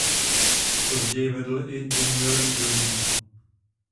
Později vedl i The New York Journal.